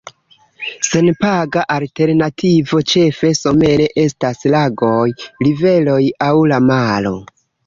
Senpaga alternativo, ĉefe somere estas lagoj, riveroj aŭ la maro.